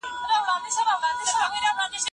لارښود باید د یوه مشر غوندې مشوره ورکړي.